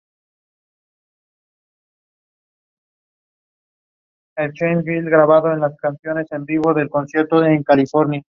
El origen del topónimo no está del todo aclarado.